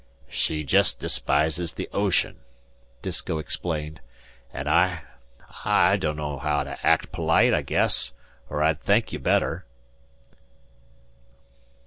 "She jest despises the ocean," Disko explained, "an' I I dunno haow to act polite, I guess, er I'd thank you better."